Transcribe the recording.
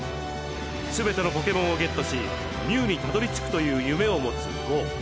すべてのポケモンをゲットしミュウにたどりつくという夢を持つゴウ。